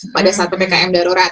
pada saat ppkm darurat